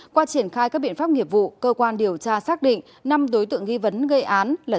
qua triển khai các biện pháp nghiệp vụ cơ quan điều tra xác định năm đối tượng nghi vấn gây án là